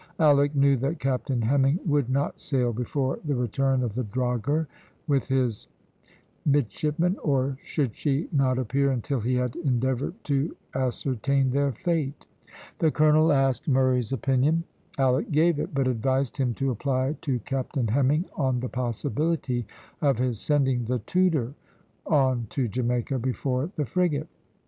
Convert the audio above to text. Alick knew that Captain Hemming would not sail before the return of the drogher with his midshipmen, or should she not appear until he had endeavoured to ascertain their fate. The colonel asked Murray's opinion. Alick gave it, but advised him to apply to Captain Hemming on the possibility of his sending the Tudor on to Jamaica before the frigate.